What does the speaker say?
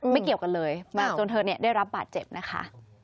ไม่เกี่ยวกันเลยจนเธอเนี่ยได้รับบาดเจ็บนะคะ